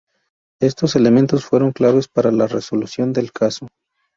Estos elementos fueron claves para la resolución del caso.